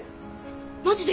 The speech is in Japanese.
マジで？